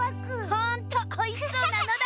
ほんとおいしそうなのだ！